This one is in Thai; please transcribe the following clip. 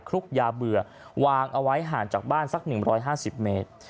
ลุกยาเบื่อวางเอาไว้ห่างจากบ้านสัก๑๕๐เมตร